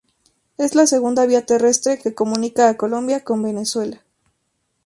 Es la segunda vía terrestre que comunica a Colombia con Venezuela.